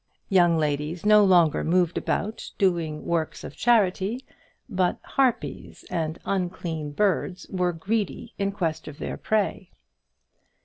Young ladies no longer moved about, doing works of charity; but harpies and unclean birds were greedy in quest of their prey.